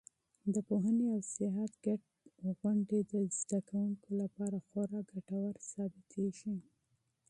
د پوهنې او سیاحت ګډ پروګرامونه د زده کوونکو لپاره خورا ګټور ثابتېږي.